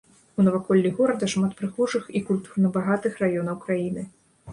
У наваколлі горада шмат прыгожых і культурна багатых раёнаў краіны.